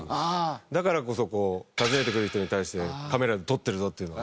だからこそこう訪ねてくる人に対してカメラに撮ってるぞっていうのが。